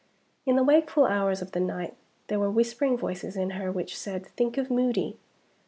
In the wakeful hours of the night there were whispering voices in her which said: "Think of Moody!"